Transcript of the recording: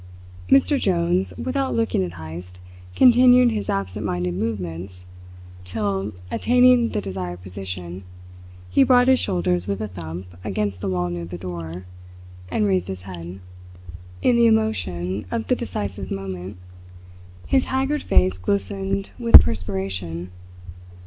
Mr. Jones, without looking at Heyst, continued his absentminded movements till, attaining the desired position, he brought his shoulders with a thump against the wall near the door, and raised his head. In the emotion of the decisive moment his haggard face glistened with perspiration.